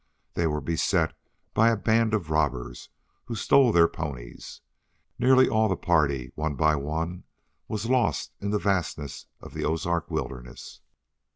They were beset by a band of robbers, who stole their ponies. Nearly all the party, one by one, was lost in the fastnesses of the Ozark wilderness.